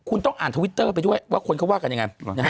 คุณต้องอ่านทวิตเตอร์ไปด้วยว่าคนเขาว่ากันยังไง